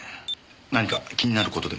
何か気になる事でも？